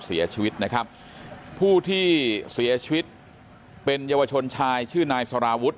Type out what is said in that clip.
เสียชีวิตนะครับผู้ที่เสียชีวิตเป็นเยาวชนชายชื่อนายสารวุฒิ